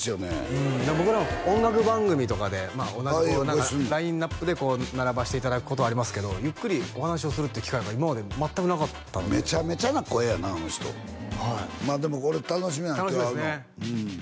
うん僕らも音楽番組とかで同じこうラインナップで並ばしていただくことはありますけどゆっくりお話をするって機会が今まで全くなかったのでめちゃめちゃな声やなあの人はいまあでも俺楽しみやねん今日会うの楽しみですね